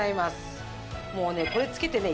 もうねこれつけてね